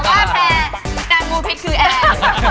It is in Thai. แต่กลางมูลพริกคือแอร์